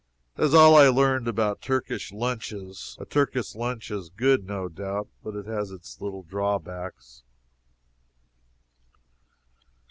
That is all I learned about Turkish lunches. A Turkish lunch is good, no doubt, but it has its little drawbacks.